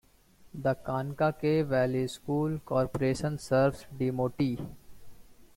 The Kankakee Valley School Corporation serves DeMotte.